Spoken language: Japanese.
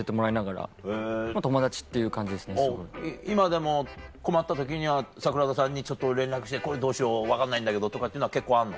今でも困った時には桜田さんにちょっと連絡して「どうしよう分かんないんだけど」とかっていうのは結構あんの？